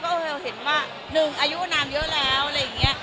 เบอร์คอยด์ก็เห็นว่าหนึ่งอายุนางเยอะแล้วอะไรอย่างเงี้ย